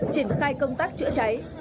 triển khai công tác chữa cháy